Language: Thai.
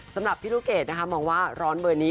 สำหรับพี่ลูกเกดนะคะมองว่าร้อนเบอร์นี้